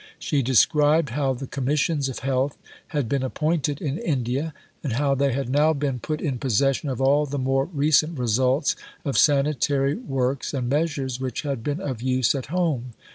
She described how the Commissions of Health had been appointed in India, and how they had now been put in possession of all the more recent results of sanitary works and measures which had been of use at home.